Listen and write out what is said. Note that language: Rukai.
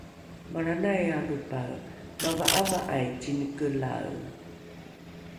malranai alopae mava’ava’ai cinekelae